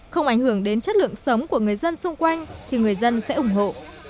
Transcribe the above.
không ảnh hưởng đến chất lượng sống của người dân xung quanh thì người dân sẽ ủng hộ